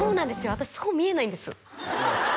私そう見えないんです